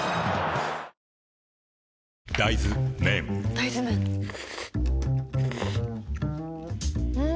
大豆麺ん？